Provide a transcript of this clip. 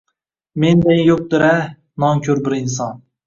Mendayin yuqdira nonkur bir inson